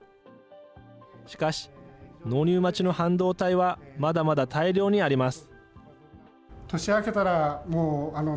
しかし、納入待ちの半導体はまだまだ大量にあります。